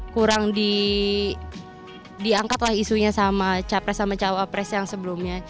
kurang diangkatlah isunya sama capres sama cawapres yang sebelumnya